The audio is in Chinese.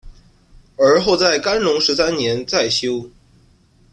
而后在干隆十三年再修。